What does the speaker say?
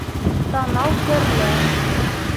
ТАНАУ КӘРЛӘ